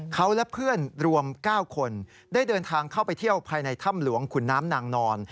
เขาและเพื่อนรวม๙คนได้เดินทางเข้าไปเที่ยวภายในถ้ำหลวงขุนน้ำนางนอน